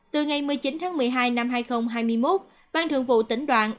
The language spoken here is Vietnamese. từ ngày một mươi chín tháng một mươi hai năm hai nghìn hai mươi một ban thường vụ tỉnh đoàn